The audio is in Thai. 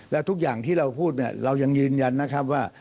และทุกอย่างที่เราพูดเนี่ยเรายังยืนยันนะครับว่า